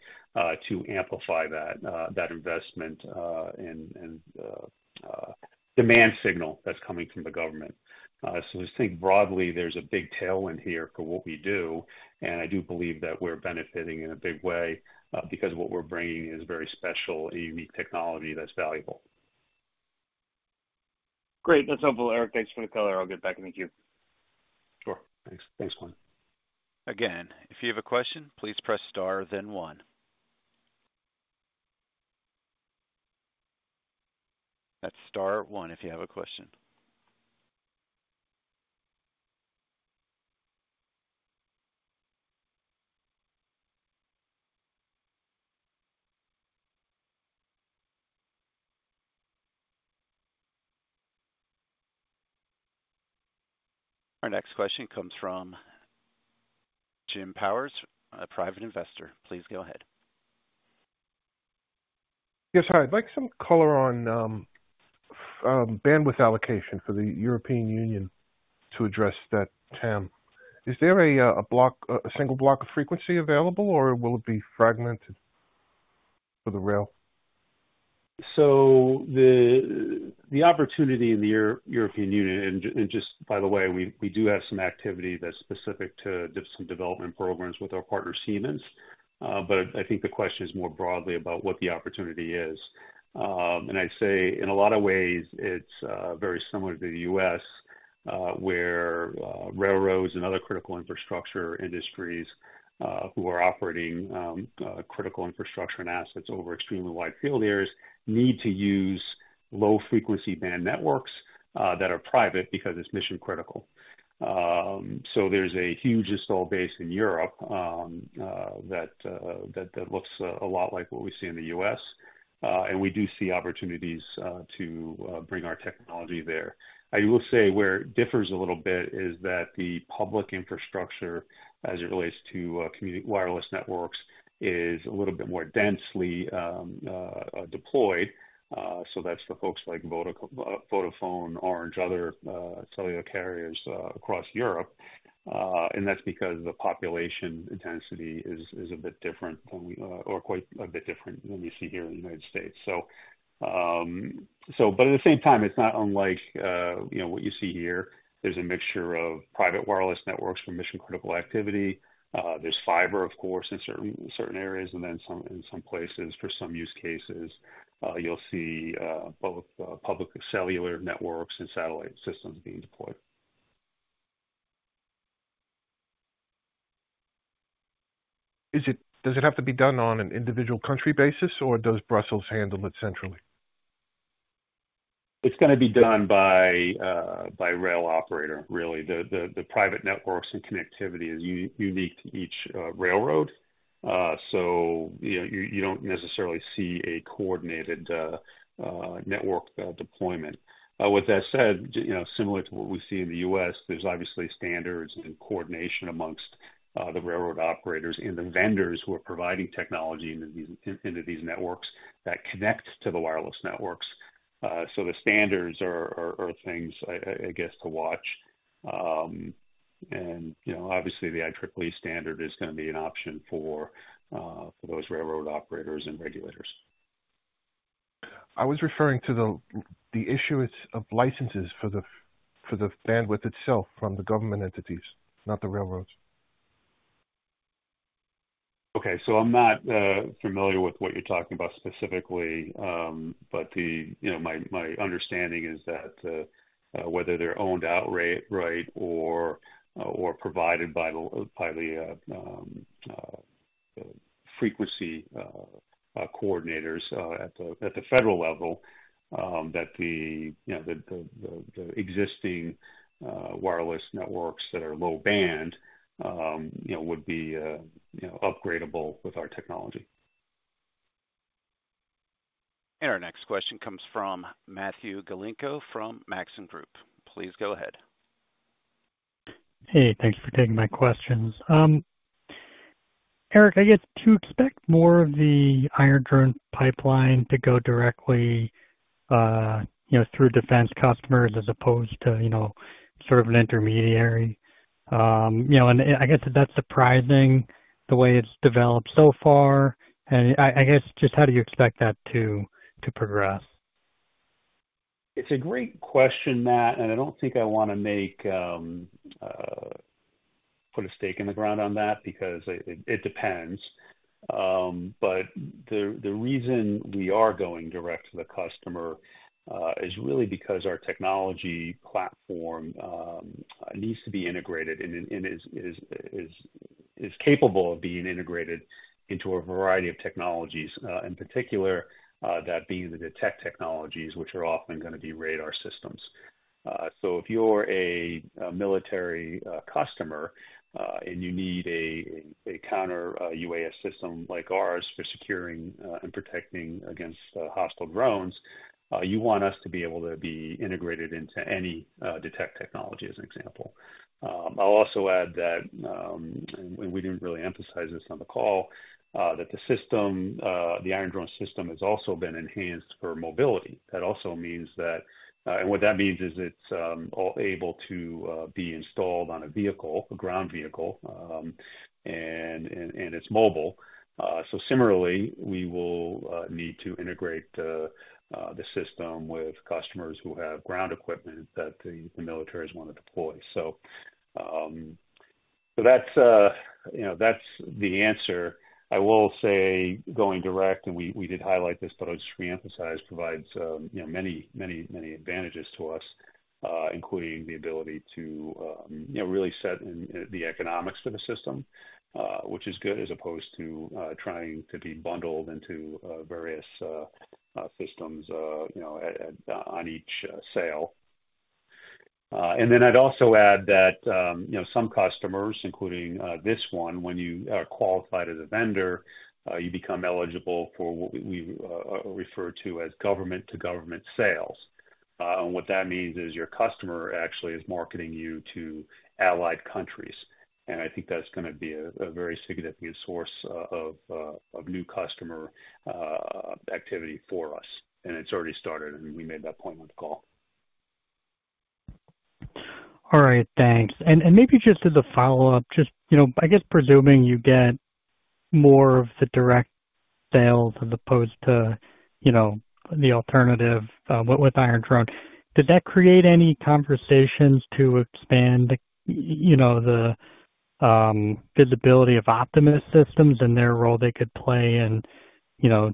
S2: to amplify that, that investment, and demand signal that's coming from the government. So I just think broadly, there's a big tailwind here for what we do, and I do believe that we're benefiting in a big way, because what we're bringing is very special and unique technology that's valuable.
S7: Great. That's helpful, Eric. Thanks for the color. I'll get back in the queue.
S2: Sure. Thanks. Thanks, Glenn.
S1: Again, if you have a question, please press star, then one. That's star one, if you have a question. Our next question comes from Jim Powers, a private investor. Please go ahead.
S8: Yes, hi. I'd like some color on bandwidth allocation for the European Union to address that TAM. Is there a single block of frequency available, or will it be fragmented for the rail?
S2: So the opportunity in the European Union, and just by the way, we do have some activity that's specific to some development programs with our partner, Siemens. But I think the question is more broadly about what the opportunity is. And I'd say in a lot of ways, it's very similar to the US, where railroads and other critical infrastructure industries who are operating critical infrastructure and assets over extremely wide field areas need to use low-frequency band networks that are private because it's mission-critical. So there's a huge installed base in Europe that looks a lot like what we see in the US. And we do see opportunities to bring our technology there. I will say where it differs a little bit is that the public infrastructure, as it relates to community wireless networks, is a little bit more densely deployed. So that's the folks like Vodafone, Orange, other cellular carriers across Europe. And that's because the population intensity is a bit different than we or quite a bit different than we see here in the United States. So, but at the same time, it's not unlike, you know, what you see here. There's a mixture of private wireless networks for mission-critical activity. There's fiber, of course, in certain areas, and then in some places, for some use cases, you'll see both public cellular networks and satellite systems being deployed.
S8: Does it have to be done on an individual country basis, or does Brussels handle it centrally?
S2: It's gonna be done by rail operator, really. The private networks and connectivity is unique to each railroad. So, you know, you don't necessarily see a coordinated network deployment. With that said, you know, similar to what we see in the U.S., there's obviously standards and coordination amongst the railroad operators and the vendors who are providing technology into these networks that connect to the wireless networks. So the standards are things, I guess, to watch. And, you know, obviously, the IEEE standard is gonna be an option for those railroad operators and regulators.
S8: I was referring to the issuance of licenses for the bandwidth itself from the government entities, not the railroads.
S2: Okay, so I'm not familiar with what you're talking about specifically. But the... You know, my understanding is that whether they're owned outright, right, or provided by the frequency coordinators at the federal level, that the existing wireless networks that are low band, you know, would be upgradable with our technology.
S1: Our next question comes from Matthew Galinko from Maxim Group. Please go ahead.
S9: Hey, thanks for taking my questions. Eric, I guess to expect more of the Iron Drone pipeline to go directly, you know, through defense customers as opposed to, you know, sort of an intermediary. You know, and I guess, is that surprising the way it's developed so far? And I guess, just how do you expect that to progress?
S2: It's a great question, Matt, and I don't think I wanna put a stake in the ground on that because it depends. But the reason we are going direct to the customer is really because our technology platform needs to be integrated and is capable of being integrated into a variety of technologies, in particular, that being the detect technologies, which are often gonna be radar systems. So if you're a military customer and you need a counter UAS system like ours for securing and protecting against hostile drones, you want us to be able to be integrated into any detect technology as an example. I'll also add that, and we didn't really emphasize this on the call, that the system, the Iron Drone system, has also been enhanced for mobility. That also means that, and what that means is it's able to be installed on a vehicle, a ground vehicle, and it's mobile. So similarly, we will need to integrate the system with customers who have ground equipment that the militaries want to deploy. So, so that's, you know, that's the answer. I will say, going direct, and we did highlight this, but I'll just reemphasize, provides, you know, many, many, many advantages to us, including the ability to, you know, really set the economics for the system, which is good, as opposed to trying to be bundled into various systems, you know, at on each sale. And then I'd also add that, you know, some customers, including this one, when you are qualified as a vendor, you become eligible for what we refer to as government-to-government sales. And what that means is your customer actually is marketing you to allied countries, and I think that's gonna be a very significant source of new customer activity for us. And it's already started, and we made that point on the call.
S9: All right, thanks. And maybe just as a follow-up, just, you know, I guess presuming you get more of the direct sales as opposed to, you know, the alternative, with Iron Drone, did that create any conversations to expand, you know, the visibility of Optimus systems and their role they could play in, you know,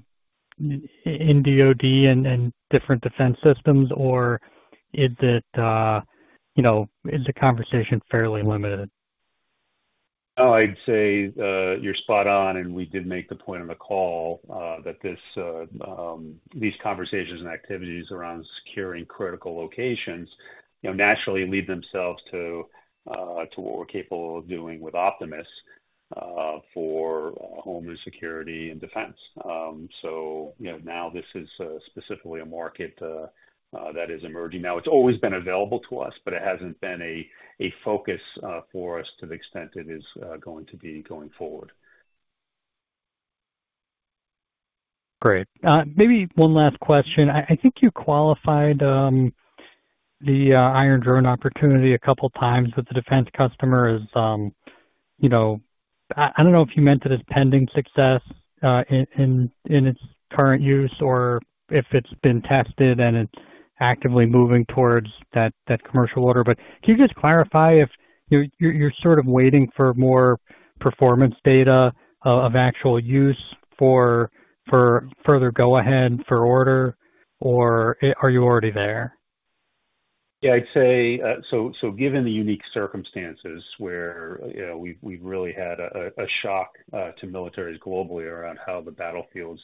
S9: in DoD and different defense systems? Or is it, you know, is the conversation fairly limited?
S2: Oh, I'd say, you're spot on, and we did make the point on the call, that this, these conversations and activities around securing critical locations, you know, naturally lead themselves to, to what we're capable of doing with Optimus, for homeland security and defense. So, you know, now this is, specifically a market, that is emerging now. It's always been available to us, but it hasn't been a, a focus, for us to the extent it is, going to be going forward.
S9: Great. Maybe one last question. I think you qualified the Iron Drone opportunity a couple times with the defense customer as, you know, I don't know if you meant it as pending success in its current use or if it's been tested and it's actively moving towards that commercial order. But can you just clarify if you're sort of waiting for more performance data of actual use for further go ahead for order, or are you already there?
S2: Yeah, I'd say, so given the unique circumstances where, you know, we've really had a shock to militaries globally around how the battlefields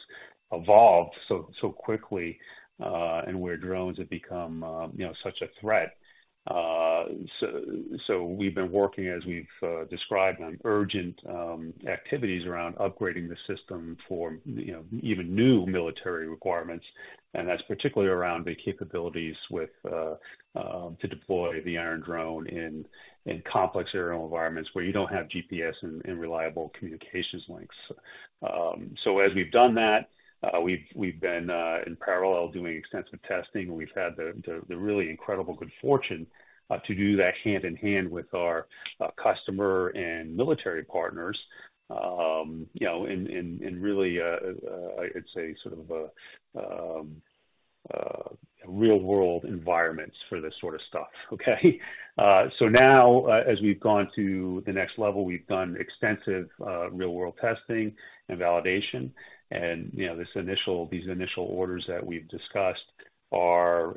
S2: evolved so quickly, and where drones have become, you know, such a threat. So we've been working, as we've described, on urgent activities around upgrading the system for, you know, even new military requirements, and that's particularly around the capabilities with to deploy the Iron Drone in complex aerial environments where you don't have GPS and reliable communications links. So as we've done that, we've been in parallel doing extensive testing. We've had the really incredible good fortune to do that hand in hand with our customer and military partners. You know, and really, it's a sort of real-world environments for this sort of stuff, okay? So now, as we've gone to the next level, we've done extensive real-world testing and validation. And, you know, this initial—these initial orders that we've discussed are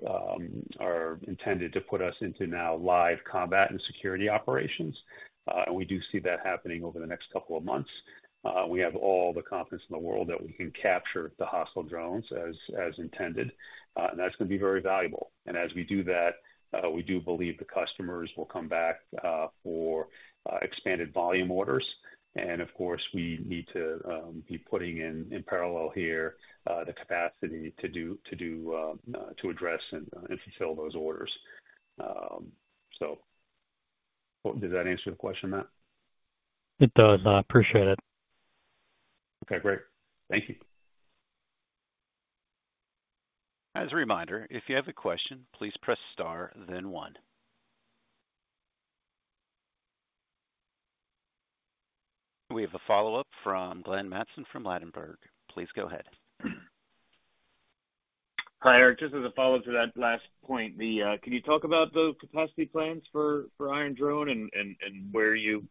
S2: intended to put us into now live combat and security operations, and we do see that happening over the next couple of months. We have all the confidence in the world that we can capture the hostile drones as intended, and that's going to be very valuable. And as we do that, we do believe the customers will come back for expanded volume orders. Of course, we need to be putting in in parallel here the capacity to do to address and fulfill those orders. So, well, does that answer your question, Matt?
S9: It does. I appreciate it.
S2: Okay, great. Thank you.
S1: As a reminder, if you have a question, please press star, then one. We have a follow-up from Glenn Mattson, from Ladenburg. Please go ahead.
S7: Hi, Eric. Just as a follow-up to that last point, can you talk about the capacity plans for Iron Drone and where you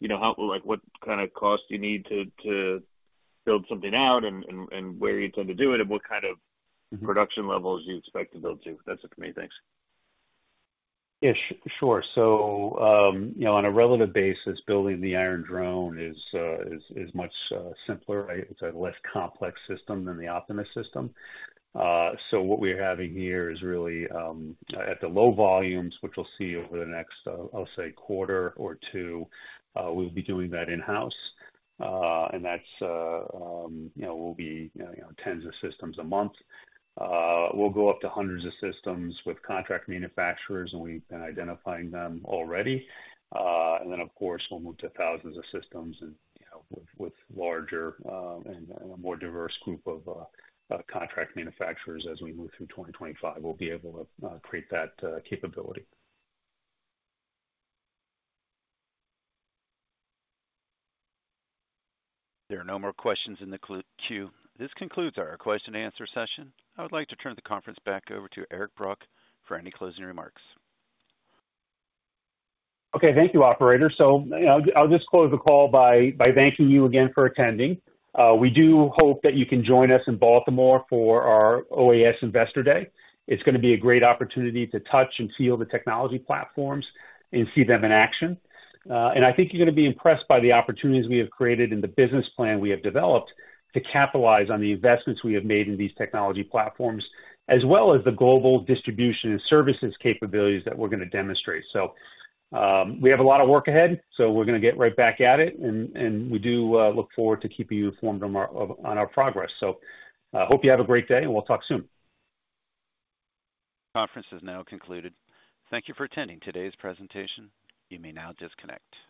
S7: know how, like, what kind of cost you need to build something out and where you intend to do it, and what kind of-
S2: Mm-hmm.
S7: Production levels you expect to build to? That's it for me. Thanks.
S2: Yeah, sure. So, you know, on a relative basis, building the Iron Drone is much simpler, right? It's a less complex system than the Optimus System. So what we're having here is really at the low volumes, which we'll see over the next, I'll say quarter or two, we'll be doing that in-house. And that's, you know, will be, you know, tens of systems a month. We'll go up to hundreds of systems with contract manufacturers, and we've been identifying them already. And then, of course, we'll move to thousands of systems and, you know, with larger and a more diverse group of contract manufacturers as we move through 2025, we'll be able to create that capability.
S1: There are no more questions in the queue. This concludes our question and answer session. I would like to turn the conference back over to Eric Brock for any closing remarks.
S2: Okay. Thank you, operator. So, you know, I'll just close the call by thanking you again for attending. We do hope that you can join us in Baltimore for our OAS Investor Day. It's gonna be a great opportunity to touch and feel the technology platforms and see them in action. And I think you're gonna be impressed by the opportunities we have created and the business plan we have developed to capitalize on the investments we have made in these technology platforms, as well as the global distribution and services capabilities that we're gonna demonstrate. So, we have a lot of work ahead, so we're gonna get right back at it, and we do look forward to keeping you informed on our progress. So, hope you have a great day, and we'll talk soon.
S1: Conference is now concluded. Thank you for attending today's presentation. You may now disconnect.